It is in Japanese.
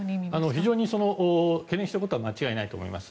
非常に懸念していることは間違いないと思います。